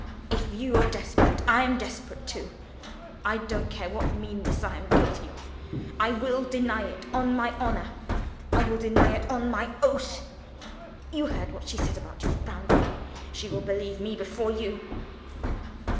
If you are desperate, I am desperate too. I don't care what meanness I am guilty of! I will deny it on my honor; I will deny it on my oath. You heard what she said about you at Browndown. She will believe me before _you.